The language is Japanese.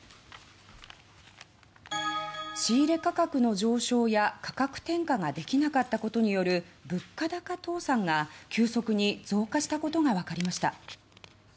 仕入れ価格の上昇や価格転嫁ができなかったことによる物価高倒産が急速に増加したことがわかりました。